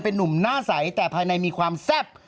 เป็นนุ่มหน้าใสแต่ภายในมีความแซ่บ